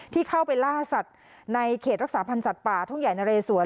ที่เข้าไปล่าสัตว์ในเขตรักษาพันธ์สัตว์ป่าทุ่งใหญ่นะเรสวน